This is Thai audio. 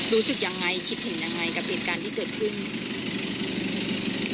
รู้สึกอย่างไรคิดเห็นอย่างไรกับเหตุการณ์ที่เกิดขึ้น